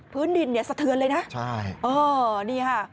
พื้นดินสะเทือนเลยนะโอเคนี่ค่ะ